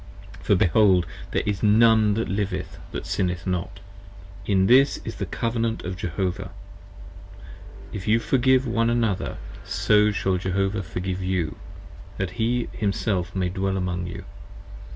for behold, There is none that liveth & Sinneth not! And this is the Covenant 25 Of Jehovah: If you Forgive one another, so shall Jehovah Forgive You: That He Himself may Dwell among You.